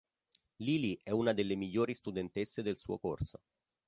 Lily è una delle migliori studentesse del suo corso.